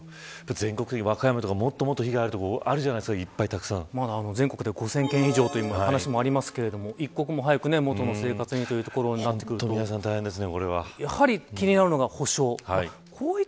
全国的に和歌山とかもっと被害がある所まだ全国で５０００軒以上という話もありますけど一刻も早く、元の生活にというところになってくると思います。